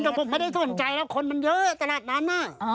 แต่ผมไม่ได้สนใจแล้วคนมันเยอะขนาดนั้น